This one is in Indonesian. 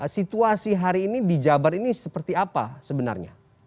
situasi hari ini di jabar ini seperti apa sebenarnya